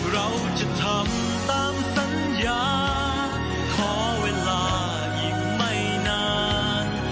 เราจะทำตามสัญญาขอเวลาอีกไม่นาน